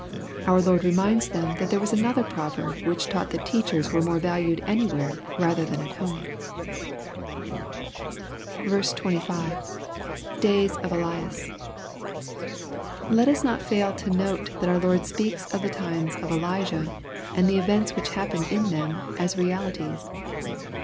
Our Lord reminds them that there was another proverb^ which taught that teachers were more valued anywhere rather than at home. 55. — [Days of JEluM,] Let us not fail to note that our Lord speaks of the times of Elijah, and the events which happened in them, as realities.